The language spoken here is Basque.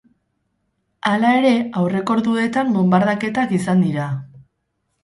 Hala ere, aurreko orduetan bonbardaketak izan dira.